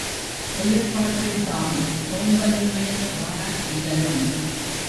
செயற்பாட்டில் தான், சோம்பலின்மையைக் காண இயலும்.